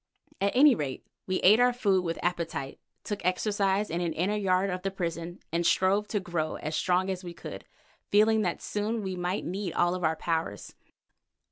At any rate we ate our food with appetite, took exercise in an inner yard of the prison, and strove to grow as strong as we could, feeling that soon we might need all our powers.